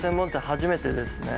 初めてですね。